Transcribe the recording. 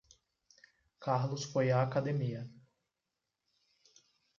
Carlos foi à academia.